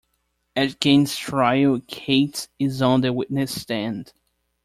At Gaines's trial, Cates is on the witness stand.